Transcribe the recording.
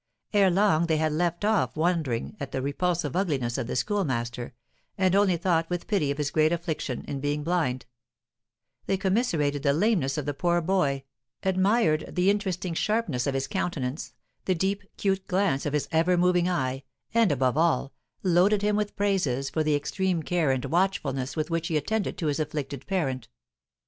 Ere long they had left off wondering at the repulsive ugliness of the Schoolmaster, and only thought with pity of his great affliction, in being blind; they commiserated the lameness of the poor boy, admired the interesting sharpness of his countenance, the deep, cute glance of his ever moving eye, and, above all, loaded him with praises for the extreme care and watchfulness with which he attended to his afflicted parent.